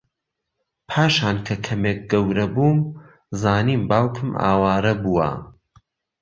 پاشان کە کەمێک گەورەبووم زانیم باوکم ئاوارە بووە